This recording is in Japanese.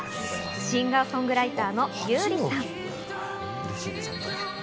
シンガー・ソングライターの優里さん。